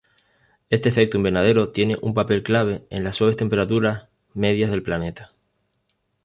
Este efecto invernadero tiene un papel clave en las suaves temperaturas medias del planeta.